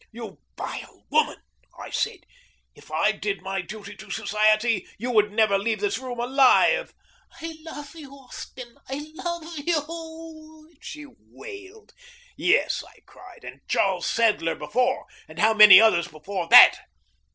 "You vile woman," I said, "if I did my duty to society, you would never leave this room alive!" "I love you, Austin; I love you!" she wailed. "Yes," I cried, "and Charles Sadler before. And how many others before that?"